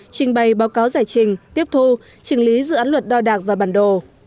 trình bày báo cáo giải trình tiếp thu trình lý dự án luật đo đạc và bản đồ